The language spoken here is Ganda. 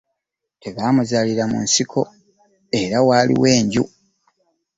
Tebaamuzaalira mu nsiko era waaliwo enju.